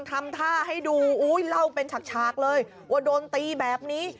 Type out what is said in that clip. ทำท่าให้ดูอุ้ยเล่าเป็นฉากเลยว่าโดนตีแบบนี้